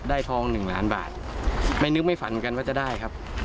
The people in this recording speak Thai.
ทองหนึ่งล้านบาทไม่นึกไม่ฝันเหมือนกันว่าจะได้ครับ